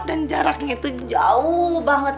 dan jaraknya itu jauh banget